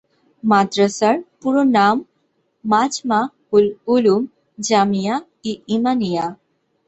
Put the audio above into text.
মাদ্রাসার পুরো নাম মাজমা-উল-উলূম, জামিয়া-ই-ইমানিয়া।